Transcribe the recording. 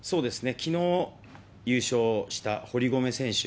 きのう優勝した堀米選手。